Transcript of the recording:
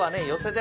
で